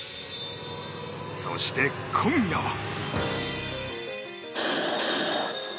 そして、今夜は。